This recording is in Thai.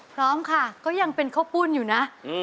พร้อมค่ะก็ยังเป็นข้าวปุ้นอยู่นะ